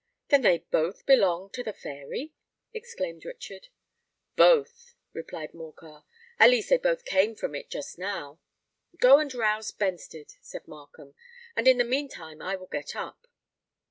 "Then they both belong to the Fairy?" exclaimed Richard. "Both," replied Morcar; "at least they both came from it just now." "Go and rouse Benstead," said Markham; "and in the meantime I will get up."